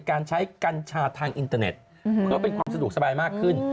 การใช้กัญชาทางอินเทอร์เน็ตเพื่อเป็นความสะดวกสบายมากขึ้น